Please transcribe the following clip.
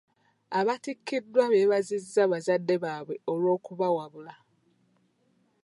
Abaatikiddwa beebazizza bazadde baabwe olw'okubawabula.